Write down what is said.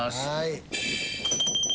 はい。